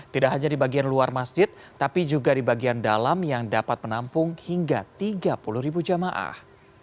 tidak hanya di bagian luar masjid tapi juga di bagian dalam yang dapat menampung hingga tiga puluh ribu jamaah